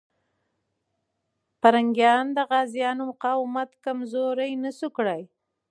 پرنګیان د غازيانو مقاومت کمزوری نسو کړای.